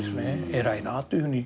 偉いなぁというふうに。